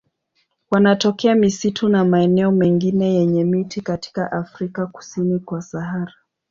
Wanatokea misitu na maeneo mengine yenye miti katika Afrika kusini kwa Sahara.